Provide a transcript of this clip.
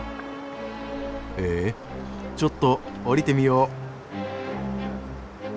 へえちょっと下りてみよう。